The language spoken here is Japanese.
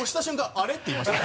「あれ？」って言いましたよ。